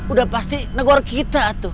udah pasti negor kita tuh